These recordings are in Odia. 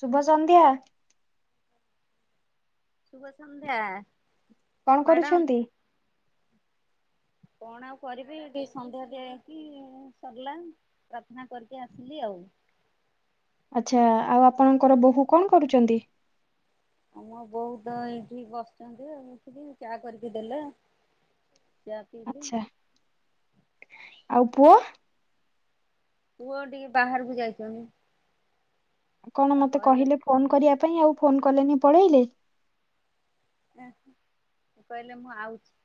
ଶୁଭ ସନ୍ଧ୍ୟା। ଶୁଭ ସନ୍ଧ୍ୟା। କଣ ମ୍ୟାଡ଼ାମ କରୁଛନ୍ତି? କଣ ଆଉ କରିବି ଟିକେ ସନ୍ଧ୍ୟାରେ ଯାଇଁକି ସରିଲା, ପ୍ରାର୍ଥନା କରିକି ଆସିଲି ଆଉ। ଆଚ୍ଛା ଆଉ ଆପଣଙ୍କର ବୋହୂ କଣ କରୁଚନ୍ତି? ଆମ ବୋହୂ ତ ଏଇଠି ବସିଚନ୍ତି ଆଉ ଉଠିକି ଚା କରିକି ଦେଲେ ଚା ପିିଇଲି ଆଚ୍ଛା ଆଉ ପୁଅ? ପୁଅ ଟିକେ ବାହାରକୁ ଯାଇଚନ୍ତି। କଣ ମତେ କହିଲେ ଫୋନ କରିବା ପାଇଁ ଆଉ ଫୋନ କଲେନି ପଳେଇଲେ। ଆଁ ସିଏ କହିଲେ, ମୁଁ ଆଉଛି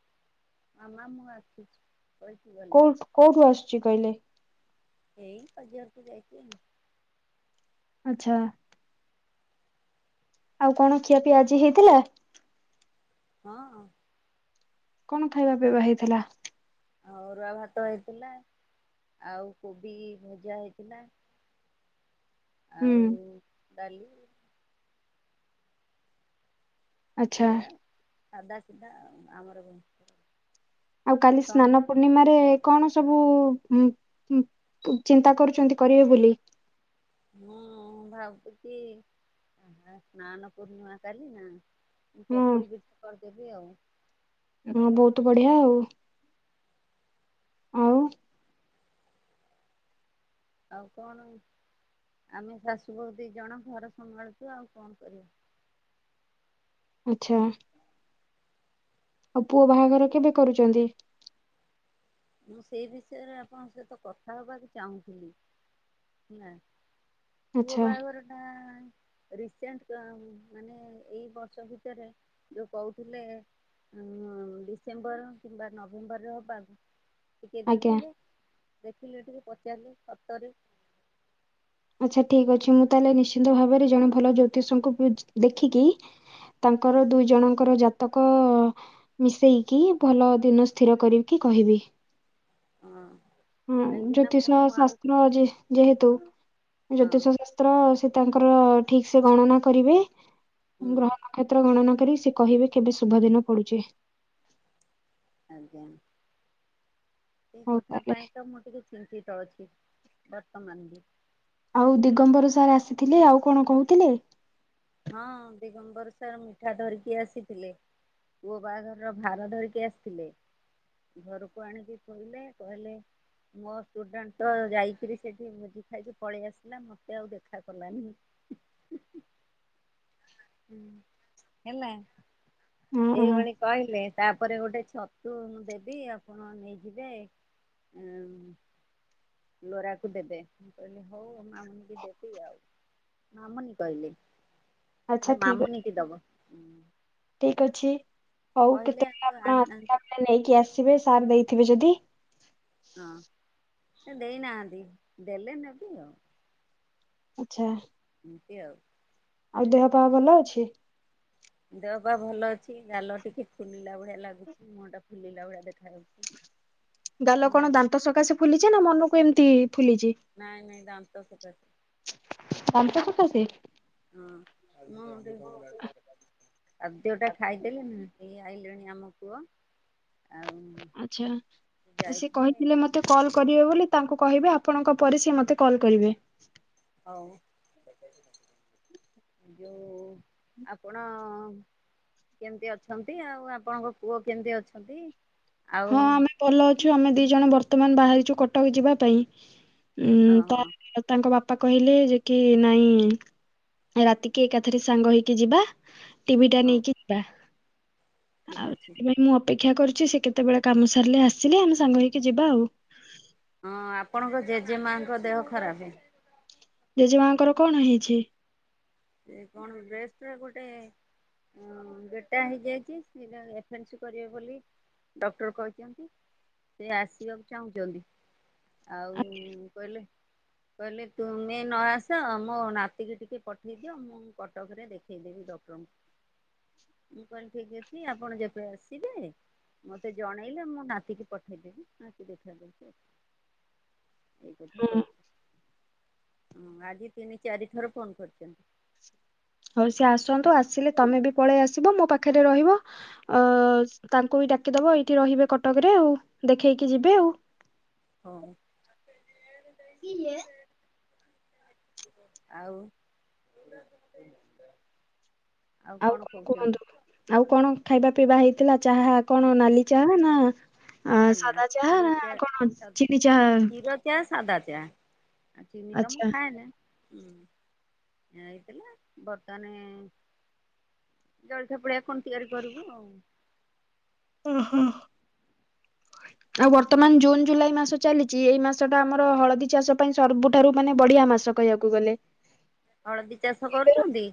ମାମା ମୁଁ ଆସୁଛି। କହିକି ଗଲେ କୋଉଠ କୋଉଠୁ ଆସୁଚି କହିଲେ? ଏଇ ବଜାରକୁ ଯାଇଚି ଆଉ। ଆଚ୍ଛା। ଆଉ କଣ ଖିଆପିଆ ଆଜି ହେଇଥିଲା? ହଁ। କଣ ଖାଇବା ପାଇଁବା ହେଇଥିଲା? ଅରୁଆ ଭାତ ହେଇଥିଲା ଆଉ କୋବି ଭଜା ହେଇଥିଲା। ହୁଁ। ଆଉ ଡାଲି ଆଚ୍ଛା ସେଇଆ ସାଧା ସିଧା ଆମର। ଆଉ କାଲି ସନ୍ ସ୍ନାନ ପୂର୍ଣ୍ଣିମାରେ କଣ ସବୁ ଉ ଉ ଚିନ୍ତା କରୁଛନ୍ତି କରିବେ ବୋଲି। ହଁ ଭାବୁଛି ସ୍ନାନ ପୂର୍ଣିମା କାଲି ନା। ମୁଁ ହଁ ଚକୁଳି ପିଠା କରିଦେବି ଆଉ। ତ ବଢିଆ ଆଉ। ଆଉ। ଆଉ କଣ? ଆମେ ଶାଶୁ ବୋହୂ ଦି ଜଣ ଘର ସମ୍ଭାଳୁଛୁ ଆଉ କଣ କରିବୁ? ଆଚ୍ଛା। ଆଉ ପୁଅ ବାହାଘର କେବେ କରୁଛନ୍ତି? ମୁଁ ସେଇ ବିଷୟରେ ଆପଣଙ୍କ ସହିତ କଥା ହବାକୁ ଚାହୁଁଥିଲି? ନା ପୁଅ ଆଚ୍ଛା ବାହାଘରଟା ରିସେଣ୍ଟ୍ ମାନେ ଏଇ ବର୍ଷ ଭିତରେ ଯୋଉ କଉ ଥିଲେ ଉଁ ଡିସେମ୍ବର କିମ୍ବା ନଭେମ୍ବର ରେ ହବାର୍ ଟିକେ ଆଜ୍ଞା। ଦେଖିଲେ ଦେଖିଲେ ଟିକେ ପଚାରିଲେ ସତରେ ଆଚ୍ଛା ଠିକ ଅଛି ମୁଁ ତାହେଲେ ନିଶ୍ଚିନ୍ତ ଭାବରେ ଜଣେ ଭଲ ଜ୍ୟୋତିଷଙ୍କୁ ବୁଝି ଦେଖିକି ତାଙ୍କର ଦୁଇ ଜଣଙ୍କର ଯାତକ ମିଶେଇକି ଭଲ ଦିନ ସ୍ଥିର କରିକି କହିବି ହଁ କାହିଁକି ନା ଜ୍ୟୋତିଷ ମୁଁ ଆଉ ଶାସ୍ତ୍ର ଯେ ଯେହେତୁ ହଁ ଜ୍ୟୋତିଷ ଶାସ୍ତ୍ର ସେ ତାଙ୍କର ଠିକ ସେ ଗଣନା କରିବେ ମୁଁ ହୁଁ ଗ୍ରହ ନକ୍ଷତ୍ର ଗଣନା କରି ସେ କହିବେ କେବେ ଶୁଭଦିନ ପଡୁଚି। ଆଜ୍ଞା। ସେଇ ହଉ କଥା ତାହେଲେ ପାଇଁ ତ ମୁଁ ଟିକେ ଚିନ୍ତିତ ଅଛି ବର୍ତ୍ତମାନ ବି ଆଉ ଦିଗମ୍ବର ସାରେ ଆସିଥିଲେ ଆଉ କଣ କହୁଥିଲେ? ହଁ ଦିଗମ୍ବର ସାର୍ ମିଠା ଧରିକି ଆସିଥିଲେ। ପୁଅ ବାହାଘରର ଭାର ଧରିକି ଆସିଥିଲେ। ଘରକୁ ଆଣିକି ଥୋଇଲେ କହିଲେ ମୋ ଷ୍ଟୁଡେଣ୍ଟ ତ ଯାଇକିରି ସେଠିି ଭୋଜି ଖାଇକି ପଳେଇ ଆସିଲା ମତେ ଆଉ ଦେଖା କଲାନି। ହେଲା ହଁ ହଁ ଏଇଭଳି କହିଲେ। ତାପରେ ଗୋଟେ ଛତୁ ମୁଁ ଦେବି ଆପଣ ନେଇଯିବେ ଉଁ ଲୋରା କୁ ଦେବେ ମୁଁ କହିଲି ହଉ ମାମୁ ବି ଦେବି ଆଉ। ମାମୁନି କହିଲେ। ଆଚ୍ଛା ହେଲେ ମାମୁନି କି ଦବ। ଠିକ ଅଛି ହଉ କହିଲେ କେତେବେଳେ ଆଉ ଆପଣ ଆଣିନାହାନ୍ତି ଆସିଲା ବେଳେ ନେଇକି ଆସିବେ। ସାର ଦେଇଥିବେ ଯଦି। ହଁ ସେ ଦେଇନାହାନ୍ତି ଦେଲେ ନେବି ଆଉ। ଆଚ୍ଛା। ଏମତି ଆଉ ଆଉ ଦେହ ପାହା ଭଲ ଅଛି। ଦେହ ପା ଭଲ ଅଛି ଗାଲ ଟିକେ ଫୁଲିଲା ଭଳିଆ ଲାଗୁଚି ମୁହଁ ଟା ଫୁଲିଲା ଭଳିଆ ଦେଖାଯାଉଚି। ଗାଲ କଣ ଦାନ୍ତ ସକାଶେ ଫୁଲିଛି ନା ମନକୁ ଏମତି ନାଇଁ ନାଇଁ ଦାନ୍ତ ସକାସେ। ଦାନ୍ତ ସକାସେ। ହଁ। ଆଉ ଦେଉଟା ଖାଇଦେଲେନି ହେଇ ଆଇଲେଣି ଆମ ପୁଅ। ଆଉ ଆଛା ସେ ଯାଇଥିଲେ କହିଥିଲେ ମତେ କଲ କରିବେ ବୋଲି ତାଙ୍କୁ କହିବେ ଆପଣଙ୍କ ପରେ ସିଏ ମୋତେ କଲ୍ କରିବେ। ହଉ। ଯୋଉ ଆପଣ କେମତି ଅଛନ୍ତି? ଆଉ ଆପଣଙ୍କ ପୁଅ କେମତି ଅଛନ୍ତି? ଆଉ ହଁ ଆମେ ଭଲ ଅଛୁ। ଆମେ ଦି ଜଣ ବର୍ତ୍ତମାନ ବାହାରିଛୁ କଟକ ଯିବା ପାଇଁ। ହଁ ଉଁ, ତା ହଁ [inaudible] ତାଙ୍କ ବାପ ପା କହିଲେ ଯେ କି ନାଇଁ ରାତିକି ଏକାଥରେ ସାଙ୍ଗ ହେଇକି ଯିବା। ଟିଭି ଟା ହଉ ନେଇକି ଯିବା ଠିକ ଆଉ ଅଛି। ସେଥିପାଇଁ ମୁଁ ଅପେକ୍ଷା କରିଚି ସେ କେ ତେବେଳେ କାମ ସାରିଲେ ଆସିଲେ ଆମେ ସାଙ୍ଗ ହେଇକି ଯିବା ଆଉ। ହଁ ଆପଣଙ୍କ ଜେଜେ ମାଙ୍କ ଦେହ ଖରାପେ। ଜେଜେମାଙ୍କର କଣ ହେଇଛି? ସେ କଣ ରେଷ୍ଟ ରେ ଗୋଟେ ଅଁ, ବେ ଟାଇମ୍ ହେଇଯାଇଚି ସିଏ ବା ଏଫେନ୍ସ କରିବେ ବୋଲି ଡକ୍ଟର୍ କହିଚନ୍ତି। ସେ ଆସିବାକୁ ଚାହୁଁଚନ୍ତି। ଆଉ କହିଲେ କହିଲେ ତୁମେ ନ ଆସ। ମୋ ନାତିକି ଟିକେ ପ ଠେଇଦିଅ ମୁଁ କଟକରେ ଦେଖେଇଦେବି ଡକ୍ଟର୍ ଙ୍କୁ। ମୁଁ କହିଲି ଠିକ ଅଛି ଆପଣ ଯେବେ ଆସିବେ ମୋତେ ଜଣେଇଲେ ମୁଁ ନାତିକି ପଠେଇଦେବି। ନାତି ଦେଖା କରିକି ଆସିବ। ଏଇ କଥା ଆପଣ କହିଛି। ଉଁ, ଆଜି ତିନି ଚାରି ଥର ଫୋନ୍ କରି ଚନ୍ ହଉ ସିଏ ଆସନ୍ତୁ ଆସିଲେ ତୋମେ ବି ପଳେଇ ଆସିବ ମୋ ପାଖରେ ରହିବ। ଅ, ତାଙ୍କୁ ବି ଡାକିଦବ ଏଇଠି ରହିବେ କଟକରେ ଆଉ। ଦେଖେଇକି ଯିବେ ଆଉ। ହଉ କିଏ? ଆଉ ଆଉ କଣ କୁହନ୍ତୁ? ଆଉ କଣ ଖାଇବା ପିଇବା ହେଇଥିଲା? ଚାହା କଣ ନାଲି ଚାହା ନା ନା ଆଁ, ନା ସାଦା ଚାହା କ୍ଷୀର ନା ଚା କଣ ଚିନି ଚାହା? ସାଧା ଚାହା। ଆଉ ଚିିନି ତ ମୁଁ ଆଚ୍ଛା। ଖାଏନା। ହୁଁ, ହେଇଥିଲା ବର୍ତ୍ତମାନେ ଜଳଖିଆ ପଳିଆ କଣ ତିଆରି କରିବୁ ଆଉ। ଓହୋ! ହ [inaudible] ଆଉ ବର୍ତ୍ତମାନ ଜୁନ୍ ଜୁଲାଇ ମାସ ଚାଲିଚି ଏଇ ମାସ ଟା ଆମର ହଳଦୀ ଚାଷ ପାଇଁ ସରବୁଠାରୁ ମାନେ ବଢିଆ ମାସ। କହିବାକୁ ଗଲେ। ହଳଦୀ ଚାଷ ଏବେ ରୁ- କରୁଚନ୍ତି?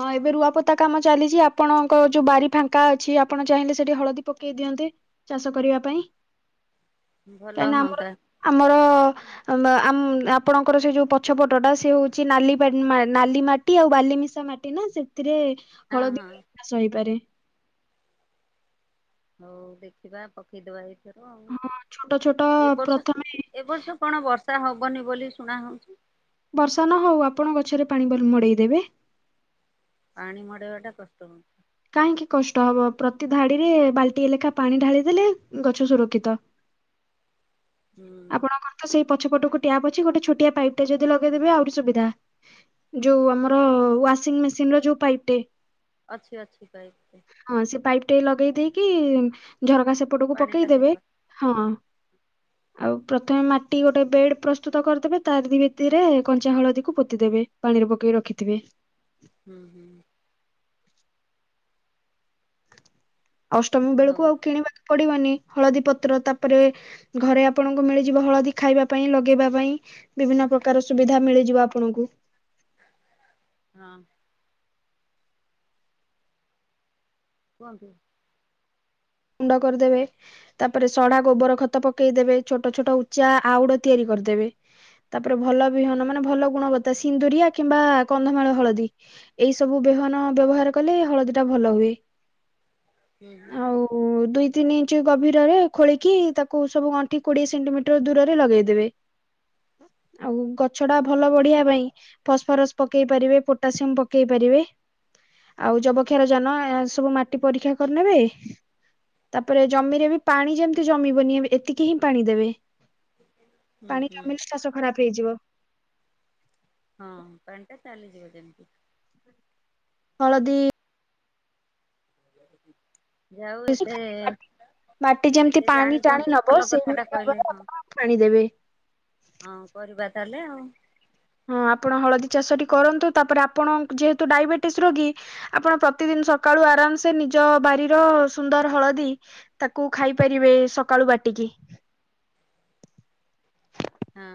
ହଁ ଏବେ ରୁଆ ପୋତା କାମ ଚାଲିଛି। ଆପଣଙ୍କ ଯୋଉ ବାରି ଫାଙ୍କା ଅଛି ଆପଣ ଚାହିଁଲେ ସେଠି ହଳଦୀ ପକେଇ ଦିଅନ୍ତି। ଚାଷ କରିବା ପାଇଁ। ହ [inaudible] କାହିଁ ନା ଆମର, ଆମର ଆମ ଆମ ଏ ଆପଣଙ୍କର ସେ ଯୋଉ ପଛପଟ ଟା ସେ ହଉଛି ନାଲି ପାନ ମା- ନାଲିମାଟି ଆଉ ବାଲିମିଶା ମା ଟି ନା ସେଥିରେ ହଁ ହଳଦୀ ହଁ ଚାଷ ହେଇପାରେ। ହଉ ଦେଖିବା ପକେଇଦବା ଏ [unintelligible] ଆଉ ହଁ ଛୋଟ ଛୋଟ ଏ ବର୍ଷ ପ୍ରଥମେ ଏ ବର୍ଷ କଣ ବର୍ଷ ଷା ହବନି ବୋଲି ଶୁଣା ହଉଛି। ବର୍ଷା ନ ହଉ ଆପଣ ଗଛରେ ପାଣି ବେଲ ମୋଡେଇ ଦେବେ। ପାଣି ମଡେଇବାଟା କଷ୍ଟ। କାହିଁକି କଷ୍ଟ ହବ? ପ୍ରତି ଧାଡିରେ ବାଲଟିଏ ଲେଖା ପାଣି ଢାଳିଦେଲେ ଗଛ ସୁରକ୍ଷିତ। [inaudible] ଆପଣଙ୍କର ତ ସେଇ ପଛପଟକୁ ଟ୍ୟାପ୍ ଅଛି ଗୋଟେ ଛୋଟିଆ ପାଇପ୍ ଟା ଯଦି ଲଗେଇଦେବେ ଆହୁରି ସୁବିଧା। ଯୋଉ ଆମର ୱାସିଂ ମେସିନ୍ ର ଯୋଉ ପାଇପ୍ ଟେ। ଅଛିି ଅଛିି ପାଇପ୍ ଟେ। ହଁ ସେ ପାଇପ୍ ଟେ ଲଗେଇ ଦେଇକି ଝରକା ସେପଟକୁ ପାଣି ପକେଇ ଟା ଦେଖ ଦେବେ ହଁ। ଆଉ ପ୍ରଥମେ ମାଟି ଗୋଟେ ବେଡ ପ୍ରସ୍ତୁତ କରିଦେବେ ତାରି ଭିତରେ କଞ୍ଚା ହଳଦୀକୁ ପୋତିଦବେ ପା ଣିରେ ପକେଇ ରଖିଥିବେ। ହୁଁ ହୁଁ। ଅଷ୍ଟମୀ ବେଳକୁ ହଉ ଆଉ କିଣିବା ପଡ଼ିବନି ହଳଦୀ ପତ୍ର। ତାପରେ ଘରେ ଆପଣଙ୍କୁ ମିଳିଯିବ ହଳଦୀ ଖାଇବା ପାଇଁ, ଲଗେଇବା ପାଇଁ। ବିଭିନ୍ନ ପ୍ରକାର ସୁବିଧା ମିଳିଯିବ ଆପଣଙ୍କୁ। ହଁ। କୁହନ୍ତୁ। ଗୁଣ୍ଡ କରିଦେବେ ତାପରେ ସଡା ଗୋବର ଖତ ପକେଇ ଦେବେ ଛୋଟ ଛୋଟ ଉଚା ଆଉଡ ତିଆରି କରଦେବେ। ତାପରେ ଭଲ ବିହନ ମାନେ ଭଲ ଗୁଣବତା ସିନ୍ଦୁରିଆ କିମ୍ବା କନ୍ଧମାଳ ହଳଦୀ ଏଇସବୁ ବେହନ ବ୍ୟବହାର କଲେ ହଳଦୀ ଟା ଭଲ ହୁଏ। ଉଁ ହୁଁ। ଆଉ ଦୁଇ ତିନି ଇଞ୍ଚ ଗଭୀରରେ ଖୋଳିକି ତାକୁ ସବୁ ଗଣ୍ଠି କୋଡିଏ ସେଣ୍ଟିମିଟର ଦୂରରେ ଲଗେଇ ଦେବେ। ହ ଆଉ ଗଛଟା ଭଲ ବଢିଆ ପାଇଁ ଫସଫରସ୍ ପକେଇ ପାରିବେ ପୋଟାସିୟମ ପକେଇ ପାରିବେ। ଆଉ ଯବକ୍ଷାରଜାନ ସବୁ ମାଟି ପରୀକ୍ଷା କରିନେବେ। ତାପରେ ଜମିରେ ବି ପାଣି ଯେମତି ଜମିବନି ଏତିକି ହିଁ ପାଣି ଦେବେ। ହୁଁ ପାଣି ହୁଁ। କମିଲେ ଚାଷ ଖରାପ ହେଇଯିବ। ହଁ ପାଣିଟା ଚାଲିଯିବ ଯେମତି। ହଳଦୀ ଯା ହେଉ ଏତେ ମାଟି ଯେମତି ଏତେ ପାଣି ଟାଣି ଜାଣିଛନ୍ତି ନବ ଭଲ କଥାଟା ସେଇଭଳି କହିଲେ ଭାବରେ ହଁ ଆପଣ ପାଣି ଦେବେ। ହଁ କରିବା ତାହେଲେ ଆଉ। ହଁ। ଆପଣ ହଳଦୀ ଚାଷଟି କରନ୍ତୁ, ତାପରେ ଆପଣ ଯେହେତୁ ଡାଇବେଟିସ ରୋଗୀ, ଆପଣ ପ୍ରତିଦିନ ସକାଳୁ ଆରାମସେ ନିଜ ବାରିର ସୁନ୍ଦର ହଳଦୀ ତାକୁ ଖାଇପାରିବେ ସକାଳୁ ବାଟିକି। ହଁ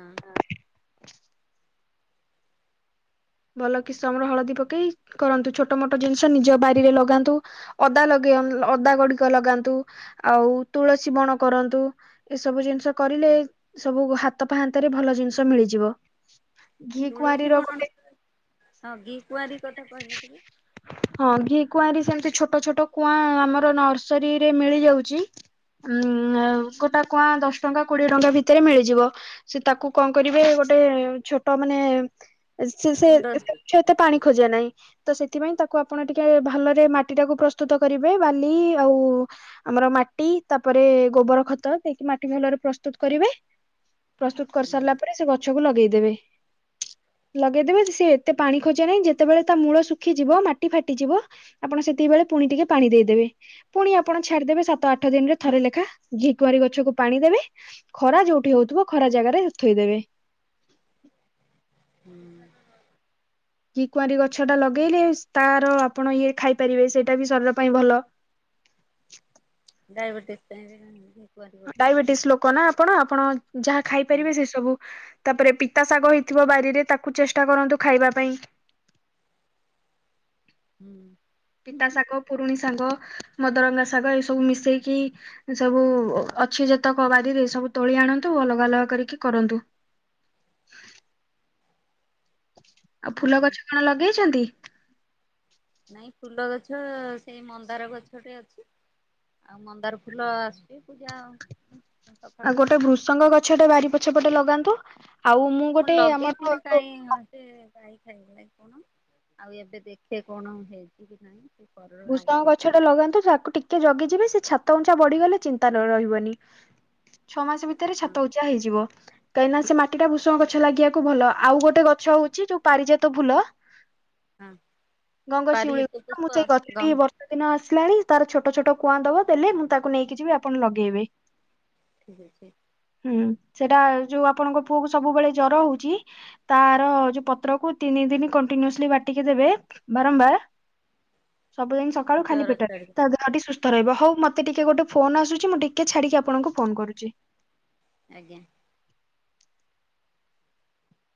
ଭଲ କିସମର ହଳଦୀ ପକେଇ କରନ୍ତୁ ଛୋଟ ମୋଟ ଜିନଷ ନିଜ ବାରିରେ ଲଗାନ୍ତୁ ଅଦା ଲଗା ଅଦା ଗୁଡିକ ଲଗାନ୍ତୁ, ଆଉ ତୁଳସୀ ବଣ କରନ୍ତୁ, ଏସବୁ ଜିନଷ କରିଲେ ସବୁ ହାତ ପାହାନ୍ତାରେ ଭଲ ଜିନଷ ମିଳିଯିବ। ହ ଘି କୁଆଁରୀର ଗୋଟେ ହଁ ଘି କୁଆଁରୀ କଥା କହିଲ ଟିକେ। କୁଆଁରୀ ସେମତି ଛୋଟ ଛୋଟ କୁଆଁ ଆମର ନର୍ସରୀରେ ମିଳିଯାଉଚି ଉଁ ଗୋଟା କୁଆଁ ଦଶ ଟଙ୍କା କୋଡିଏ ଟଙ୍କା ଭିତରେ ମିଳିଯିବ। ସେ ତାକୁ କଣ କରିବେ ଗୋ ଟେ ଛୋଟ ମାନେ ସେ ସେ କୁଣ୍ଡ ଗଛ ଏତେ ପାଣି ଖୋଜେ ନାଇଁ। ତ ସେଥିପାଇଁ ତାକୁ ଆପଣ ଟିକେ ଭଲରେ ମାଟିଟାକୁ ପ୍ରସ୍ତୁତ କରିବେ ବାଲି ଆଉ ଆମର ମାଟି ତାପରେ ଗୋବର ଖତ ଦେଇକି ମାଟି ଭଲରେ ପ୍ରସ୍ତୁତ କରିବେ ପ୍ରସ୍ତୁତ ହୁଁ କରିସାରିଲା ପରେ ସେ ଗଛକୁ ଲଗେଇ ଦେବେ। ଲଗେଇ ଦେବେ ସେ ଏତେ ପାଣି ଖୋଜେ ନାହିଁ ଯେତେବେଳେ ତା ମୂଳ ଶୁଖିଯିବ ମାଟି ଫାଟିଯିବ ଆପଣ ସେତିକି ବେଳେ ପୁଣି ଟିକେ ପାଣି ଦେଇଦେବେ। ପୁଣି ଆପଣ ଛାଡିଦେବେ ସାତ ଆଠ ଦିନରେ ଥରେ ଲେଖା ଘି କୁଆଁରି ଗଛକୁ ପାଣି ଦେବେ, ଖରା ଯୋଉଠି ହଉଥିବ ଖରା ଜାଗାରେ ଥୋଇଦେବେ। ଉଁ। ଘି କୁଆଁରୀ ଗଛଟା ଲଗେଇଲେ ତାର ଆପଣ ଇଏ ଖାଇପାରିବେ, ସେଇଟା ବି ଶରୀର ପାଇଁ ଭଲ। ଡ଼ାଇ ବେତିଶି ପାଇଁବିନା ଡାଇବେଟିସ ଲୋକ ନା ଆପଣ ଆପଣ ଯାହା ହୁଁ ଖାଇପାରିବେ ସେ ସବୁ ତାପରେ ପିତା ଶାଗ ହେଇଥିବ ବାରିରେ ତାକୁ ଚେଷ୍ଟା କରନ୍ତୁ ଖାଇବା ପାଇଁ। ହୁଁ। ପିତା ସାଙ୍ଗ ପୁରୁଣି ସାଙ୍ଗ। ମଦରଙ୍ଗା ଶାଗ ଏ ସବୁ ମିଶେଇକି ସବୁ ଅଛି ଯେତକ ବାାରିରେ ସବୁ ତୋଳିଆ ନ୍ତୁ ଅଲଗା ଅଲଗା କରିକି କରନ୍ତୁ। ଆଉ ଫୁଲ ହଉ ଗଛ କଣ ଲଗେଇଛନ୍ତି? ନାଇଁ ଫୁଲ ଗଛ ସେଇ ମନ୍ଦାର ଗଛଟେ ଅଛି। ଆଉ ମନ୍ଦାର ଫୁଲ ଆସୁଛି ପୂଜା ଆଉ। ଆଉ ଗୋଟେ ଭୃଷଙ୍ଗ ଗଛଟେ ବାରି ପଛ ପଟେ ଲଗାନ୍ତୁ। ଆଉ ମୁଁ ଗୋଟେ ଆମର ଲଗେଇଥିଲି କହିଁ ଯେ ଗାଈ ଖାଇଗଲା କି କଣ ଆଉ ଏବେ ଦେଖେ କଣ ହେଇଛି କି ନାହିଁ। କରର ଆଉ ଭୃଷଙ୍ଗ ଗୋଟେ ଥିଲା ଗଛତେ ଲଗାନ୍ତୁ ତାକୁ ଟିକେ ଜଗିଯିବେ ସେ ଛାତ ଉଞ୍ଚା ବଢିଗଲେ ଚିନ୍ତା ନ ରହିବନି ଛଅ ମାସ ଭିତରେ ହଁ ଛାତ ଉଞ୍ଚା ହେଇଯିବ। କାହିଁକି ନା ସେ ମାଟି ଟା ଭୃଷଙ୍ଗ ଗଛ ଲାଗିବାକୁ ଭଲ ଆଉ ଗୋଟେ ଗଛ ହଉଛି ଯୋଉ ପାରିଜାତ ଫୁଲ। ହଁ ଗଙ୍ଗଶିଉଳି ପାରିତ କ ମୁଁ ପୁଷ୍ପ ସେଇ ଗଛଟି ଗଙ୍ଗ ବର୍ଷା ଦିନ ଆସି ତାର ଛୋଟ ଛୋଟ କୁଆ ଦବ ଦେଲେ ମୁଁ ତାକୁ ନେଇକି ଯିବି ଆପଣ ଲଗେଇବେ। ଠିକ ଅଛି। ହୁଁ ସେଟା ଯୋଉ ଆପଣଙ୍କ ପୁଅ କ ସବୁବେଳେ ଜର ହଉଛି ତାର ଯୋଉ ପତ୍ରକୁ ତିନି ଥନି ଦିନ କଣ୍ଟିନିଅସ୍ଲି ବାଟିକି ଦେବେ ବାରମ୍ବାର ସବୁଦିନ ସକାଳୁ ଖାଲି ଜର ପଟରେ ତା ଚଢିବ ଦେହ ସୁସ୍ଥ ରହ ହଉ ମତେ ଟିକେ ଗୋଟେ ଫୋନ ଆସୁଛି ମୁଁ ଟିକେ ଛାଡିକି ଆପଣଙ୍କୁ ଫୋନ କରୁଛି। ଆଜ୍ଞା।